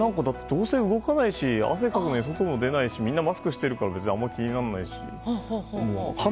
どうせ動かないし汗かかないし外も出ないしみんなマスクしているから別にあまり気にならないし。